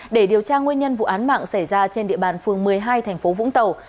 để điều tra nguyên nhân vụ án mạng xảy ra trên địa bàn phường một mươi hai thành phố vũng tàu